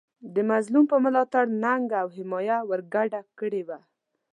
د مظلوم په ملاتړ ننګه او حمایه ورګډه کړې وه.